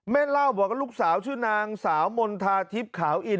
เล่าบอกว่าลูกสาวชื่อนางสาวมณฑาทิพย์ขาวอิน